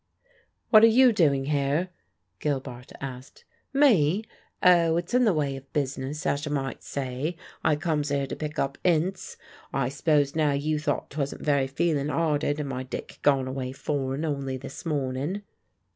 "What are you doing here?" Gilbart asked. "Me? Oh, it's in the way of business, as you might say. I comes here to pick up 'ints. I s'pose now you thought 'twasn't very feelin' 'earted, and my Dick gone away foreign only this mornin'?"